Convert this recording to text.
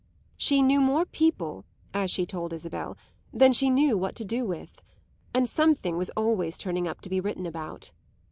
She knew more people, as she told Isabel, than she knew what to do with, and something was always turning up to be written about.